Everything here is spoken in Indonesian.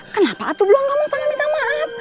kenapa aku belum ngomong sama minta maaf